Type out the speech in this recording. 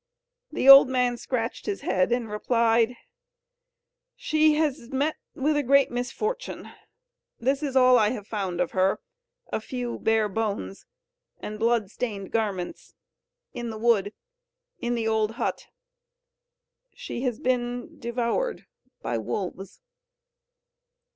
The old man scratched his head, and replied: "She has met with a great misfortune; this is all I have found of her a few bare bones, and blood stained garments; in the wood, in the old hut ... she has been devoured by wolves."